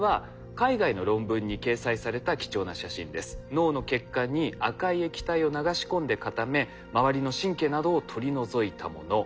脳の血管に赤い液体を流し込んで固め周りの神経などを取り除いたもの。